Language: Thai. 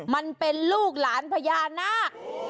มันเป็นลูกหลานพญานาค